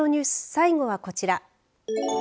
最後はこちら。